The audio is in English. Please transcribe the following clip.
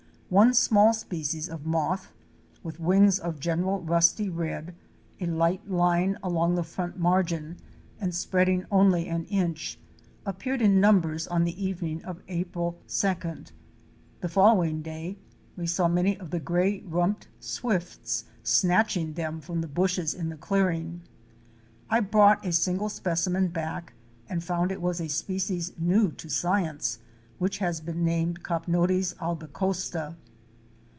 One small species of moth, with wings of a general Tusty red, JUNGLE LIFE AT AREMU. 289 a light line along the front margin and spreading only an inch, appeared in numbers on the evening of April 2d. The following day we saw many of the Gray rumped Swifts snatching them from the bushes in the clearing. I brought Fic. 125. DESCENDING THE SHAFT. a single specimen back and found it was a species new to science, which has been named Capnodes albicosta.